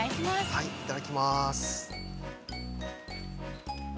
◆はい、いただきます。